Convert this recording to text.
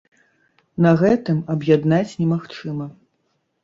На гэтым аб'яднаць немагчыма.